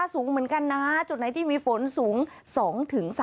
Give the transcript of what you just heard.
สูงเหมือนกันนะจุดไหนที่มีฝนสูง๒๓